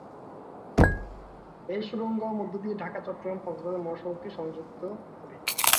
এই সুড়ঙ্গ মধ্য দিয়ে ঢাকা-চট্টগ্রাম-কক্সবাজার মহাসড়ক যুক্ত হবে।